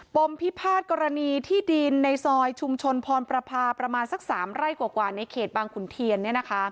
มพิพาทกรณีที่ดินในซอยชุมชนพรประพาประมาณสัก๓ไร่กว่าในเขตบางขุนเทียน